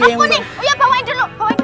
aku nih uya bawain dulu